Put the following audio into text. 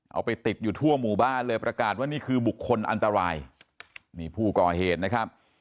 เอาไปติดอยู่ทั่วหมู่บ้านเลยประกาศว่านี่คือบุคคลอันตรายนี่ผู้ก่อเหตุนะครับ